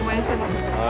めちゃくちゃ。